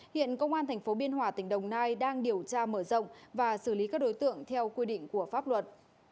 hiện công an tp biên hòa tỉnh đồng nai đang điều tra mở rộng và xử lý các đối tượng theo quy định của pháp luật